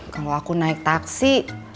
kalo aku naik taksi